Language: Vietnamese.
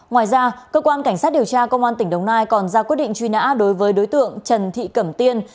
ngoài ra cơ quan cảnh sát điều tra công an tỉnh đồng nai còn ra quyết định truy nã đối với đối tượng trần thị cẩm tiên